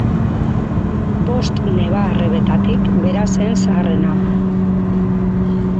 Bost neba-arrebetatik bera zen zaharrena.